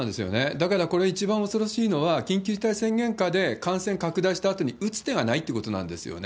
だから、この一番恐ろしいのは、緊急事態宣言下で感染拡大したあとに打つ手がないってことなんですよね。